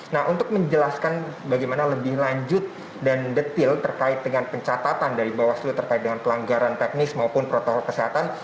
nah untuk menjelaskan bagaimana lebih lanjut dan detil terkait dengan pencatatan dari bawaslu terkait dengan pelanggaran teknis maupun protokol kesehatan